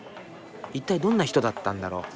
一体どんな人だったんだろう？